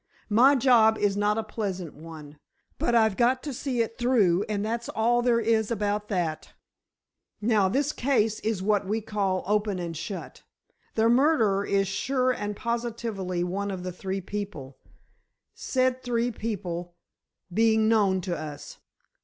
My job is not a pleasant one, but I've got to see it through, and that's all there is about that! Now, this case is what we call open and shut. The murderer is sure and positively one of three people—said three people being known to us.